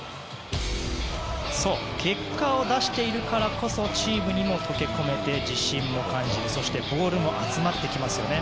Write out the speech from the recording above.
そう結果を出しているからこそチームにも溶け込めて自信も感じるしそして、ボールも集まってきますよね。